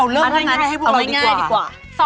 รูปไหนง่ายสุดคะ